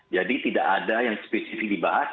jadi tidak ada yang spesifik dibahas